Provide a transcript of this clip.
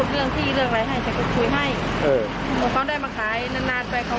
เราก็ไม่ได้ค่อยสนทนากัน